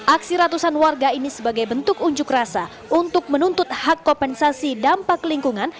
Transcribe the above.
aksi ratusan warga ini sebagai bentuk unjuk rasa untuk menuntut hak kompensasi dampak lingkungan